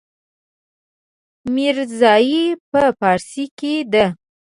ميرزايي په پارسي کې ده.